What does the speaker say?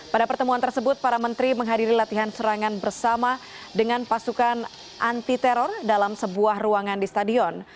pada pertemuan tersebut para menteri menghadiri latihan serangan bersama dengan pasukan anti teror dalam sebuah ruangan di stadion